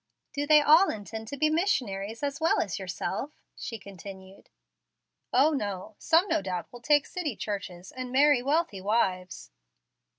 "Do they all intend to be missionaries as well as yourself?" she continued. "O, no; some no doubt will take city churches, and marry wealthy wives."